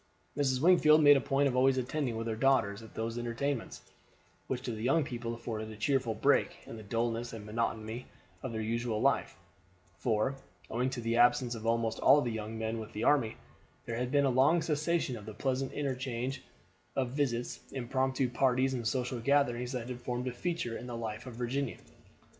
Mrs. Wingfield made a point of always attending with her daughters at these entertainments, which to the young people afforded a cheerful break in the dullness and monotony of their usual life; for, owing to the absence of almost all the young men with the army, there had been a long cessation of the pleasant interchange of visits, impromptu parties, and social gatherings that had formed a feature in the life in Virginia.